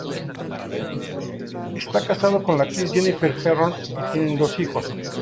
Está casado con la actriz Jennifer Herron y tiene dos hijos.